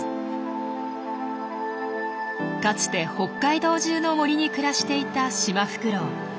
かつて北海道じゅうの森に暮らしていたシマフクロウ。